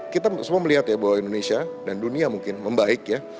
kita semua melihat bahwa indonesia dan dunia mungkin membaik